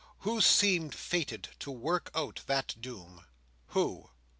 Who seemed fated to work out that doom? Who?